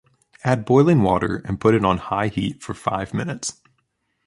Add boiling water and put on high heat for five minutes.